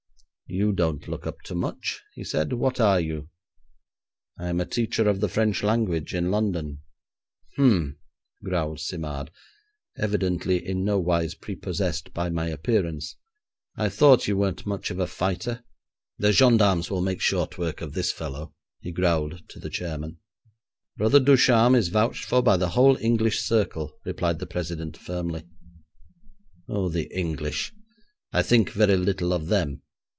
'You don't look up to much,' he said. 'What are you?' 'I am a teacher of the French language in London.' 'Umph!' growled Simard, evidently in no wise prepossessed by my appearance. 'I thought you weren't much of a fighter. The gendarmes will make short work of this fellow,' he growled to the chairman. 'Brother Ducharme is vouched for by the whole English circle,' replied the president firmly. 'Oh, the English! I think very little of them.